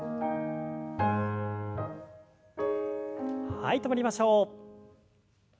はい止まりましょう。